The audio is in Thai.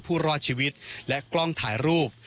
ผู้รอดชีวิตและกล้องถ่ายรูป